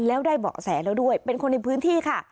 แล้วได้เบาะแสแล้วด้วยเป็นคนในพื้นที่ค่ะ